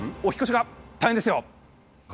お引っ越しが大変ですよ。